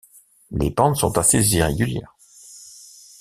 Les pentes sont assez irrégulières.